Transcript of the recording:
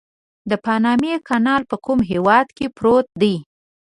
د پانامي کانال په کوم هېواد کې پروت دی؟